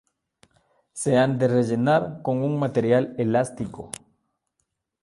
Se han de rellenar con un material elástico.